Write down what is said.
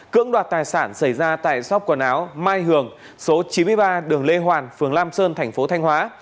cưỡng đoạt tài sản xảy ra tại shop quần áo mai hường số chín mươi ba đường lê hoàn phường lam sơn tp thanh hóa